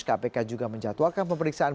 kpk juga menjatuhkan pemeriksaan